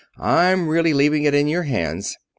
I'm really leaving it in your hands.